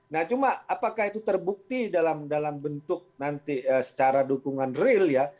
nah cuma apakah itu terbukti dalam bentuk nanti secara dukungan real ya